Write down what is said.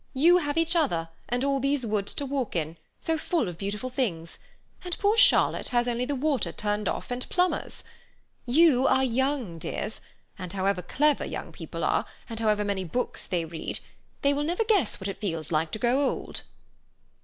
You have each other and all these woods to walk in, so full of beautiful things; and poor Charlotte has only the water turned off and plumbers. You are young, dears, and however clever young people are, and however many books they read, they will never guess what it feels like to grow old."